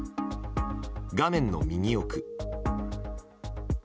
画面の右奥。